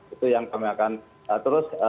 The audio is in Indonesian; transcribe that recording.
itu yang kami akan terus